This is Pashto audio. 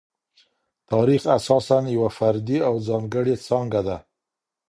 تاریخ اساساً یوه فردي او ځانګړې څانګه ده.